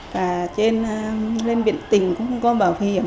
cả trên lên viện tỉnh cũng không có bảo hiểm